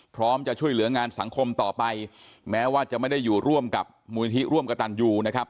พร้อมจะช่วยเหลืองานสังคมต่อไปแม้ว่าจะไม่ได้อยู่ร่วมกับมูลนิธิร่วมกระตันยูนะครับ